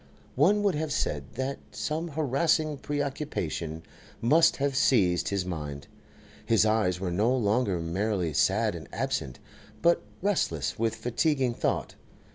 One would have said that some harassing preoccupation must have seized his mind. His eyes were no longer merely sad and absent, but restless with fatiguing thought.